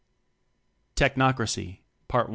Smyth. Technocracy PART I.